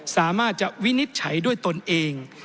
สามารถจะวินิจฉัยด้วยตนเอง